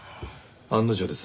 案の定です。